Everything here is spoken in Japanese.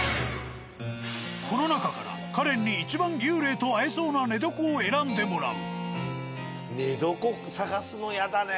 この中からカレンにいちばん幽霊と会えそうな寝床を選んでもらう。